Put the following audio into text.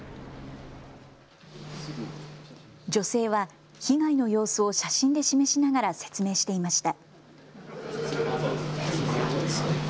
女性は被害の様子を写真で示しながら説明していました。